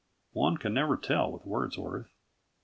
One can never tell with Wordsworth.